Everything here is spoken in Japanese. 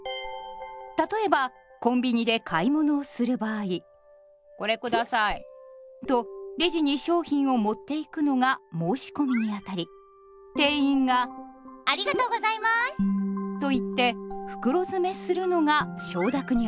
例えばコンビニで買い物をする場合とレジに商品を持っていくのが申し込みにあたり店員がと言って袋詰めするのが承諾にあたります。